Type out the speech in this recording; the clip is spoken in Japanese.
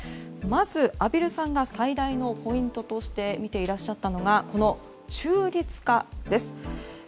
まず、畔蒜さんが最大のポイントとして見ていらっしゃったのが中立化です。